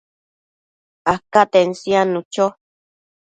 acaten siadnu cho